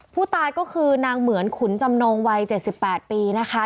ผู้ตายก็คือนางเหมือนขุนจำนงวัย๗๘ปีนะคะ